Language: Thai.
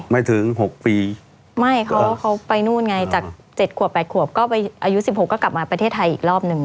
ไม่ถึงหกปีไม่เขาเขาไปนู่นไงจากเจ็ดขวบแปดขวบก็ไปอายุสิบหกก็กลับมาประเทศไทยอีกรอบหนึ่ง